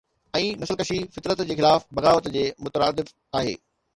۽ نسل ڪشي فطرت جي خلاف بغاوت جي مترادف آهي